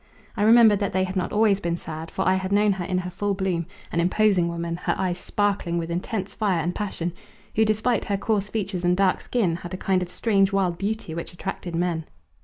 I remembered that they had not always been sad, for I had known her in her full bloom an imposing woman, her eyes sparkling with intense fire and passion, who, despite her coarse features and dark skin, had a kind of strange wild beauty which attracted men.